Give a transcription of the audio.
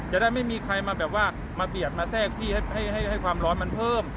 จะได้ไม่มีใครมาแบบว่ามาเบียดมาแทรกที่ให้ความร้อนมันเพิ่ม